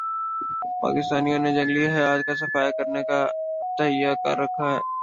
پاکستانیوں نے جنگلی حیات کا صفایا کرنے کا تہیہ کر رکھا ہے